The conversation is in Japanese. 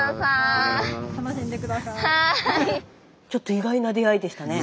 ちょっと意外な出会いでしたね。